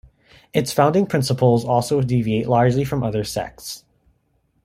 Its founding principles also deviate largely from other sects.